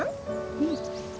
うん。